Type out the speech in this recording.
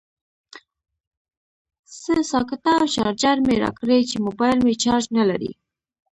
سه ساکټه او چارجر مې راکړئ چې موبایل مې چارج نلري